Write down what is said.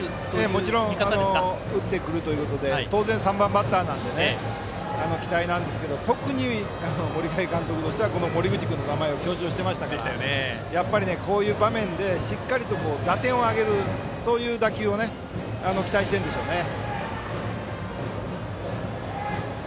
もちろん打ってくるということで当然３番バッターなので期待なんですけど特に森影監督としては森口君を強調していましたからやっぱりこういう場面でしっかりと打点を挙げるそういう打球を期待しているんでしょうね。